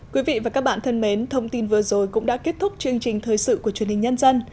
quý vị và các bạn thân mến thông tin vừa rồi cũng đã kết thúc chương trình thời sự của truyền hình nhân dân